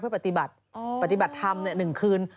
เพื่อปฏิบัติปฏิบัติธรรมเนี่ย๑คืน